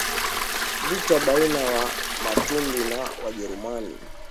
Vita baina ya Wamatumbi na Wajerumani